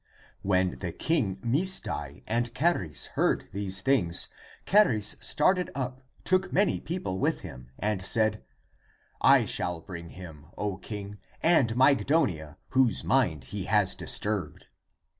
When the King Misdai and Charis heard these things, Charis started up, took many people with him, and said, " I shall bring him, O King, and Mygdonia, whose mind he has disturbed."